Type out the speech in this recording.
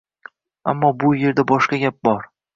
Ammo bu erda boshqa gap bor